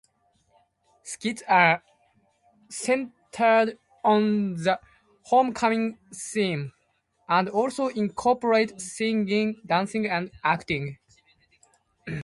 Skits are centered on the Homecoming theme, and also incorporate singing, dancing, and acting.